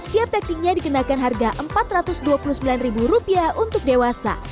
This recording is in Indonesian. tiap tekniknya dikenakan harga rp empat ratus dua puluh sembilan untuk dewasa